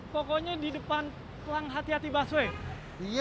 pokoknya di depan pelang hati hati busway